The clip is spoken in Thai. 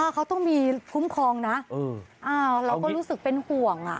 อ๋อเขาต้องมีคุ้มครองน่ะเอออ่าเราก็รู้สึกเป็นห่วงอ่ะ